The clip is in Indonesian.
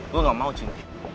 gue gak mau cin